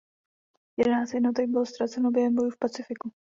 Jedenáct jednotek bylo ztraceno během bojů v Pacifiku.